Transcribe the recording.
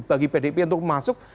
bagi pdip untuk masuk